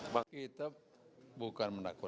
maka kita bukan menakutkan